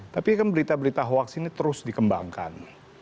tapi kan berita berita hoaks ini terus dikembangkan